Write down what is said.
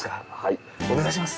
お願いします。